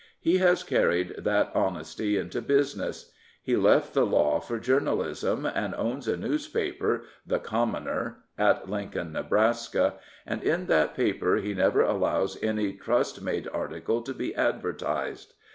He has carried that honesty into business. He left the law for journalism, and owns a newspaper, The Commoner, at Lincoln, Nebraska, and in that paper he never allows any trust made article to be advertised.